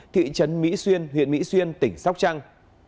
thị trấn mỹ xuyên huyện mỹ xuyên tỉnh sóc trăng